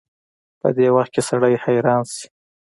په دې وخت کې سړی حيران شي.